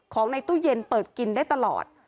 ของในตู้เย็นเปิดกินได้ตลอด